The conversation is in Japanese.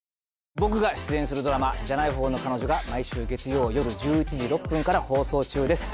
僕が出演するドラマ『じゃない方の彼女』が毎週月曜日夜１１時６分から放送中です。